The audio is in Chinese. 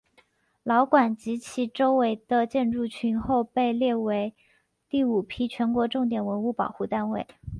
老馆及其周围的建筑群后被列入第五批全国重点文物保护单位。